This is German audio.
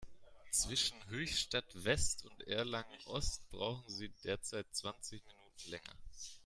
Zwischen Höchstadt-West und Erlangen-Ost brauchen Sie derzeit zwanzig Minuten länger.